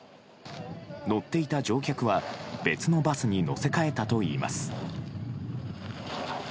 乗っていた乗客は、別のバスに乗せ換えたといいます。